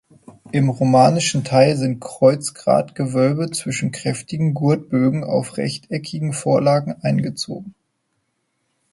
Im romanischen Teil sind Kreuzgratgewölbe zwischen kräftigen Gurtbögen auf rechteckigen Vorlagen eingezogen.